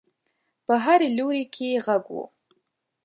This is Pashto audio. په هر لوري کې غږ و.